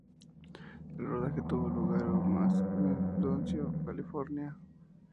El rodaje tuvo lugar en Mendocino, California.